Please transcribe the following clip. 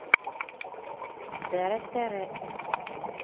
Bereteree.